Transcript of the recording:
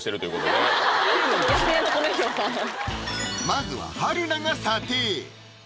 まずは春菜が査定！